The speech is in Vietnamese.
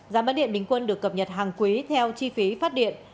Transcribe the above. giá bán điện bình quân được cập nhật hàng quý theo chi phí phát điện